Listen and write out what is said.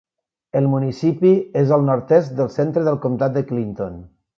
El municipi és al nord-est del centre del comtat de Clinton.